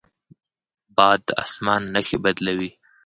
باد د اسمان نښې بدلوي